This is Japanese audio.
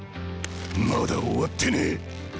まだ終わってねえ。